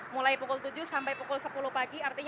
mulai pukul tujuh sampai pukul sepuluh pagi